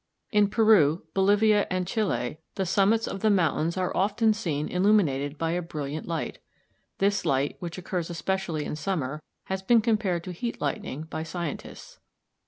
In Peru, Bolivia, and Chili the summits of the mountains are often seen illuminated by a brilliant light. This light, which occurs especially in summer, has been compared to heat lightning by scientists.